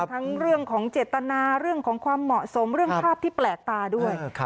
ทั้งเรื่องของเจตนาเรื่องของความเหมาะสมเรื่องภาพที่แปลกตาด้วย